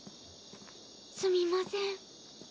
すみません。